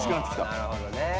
なるほどね。